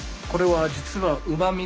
これは実はえっ？